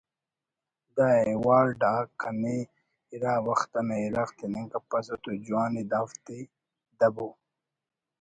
دا ایوارڈ آک کنے اِرا وخت انا اِرغ تننگ کپسہ تو جوان ءِ دافتے دبو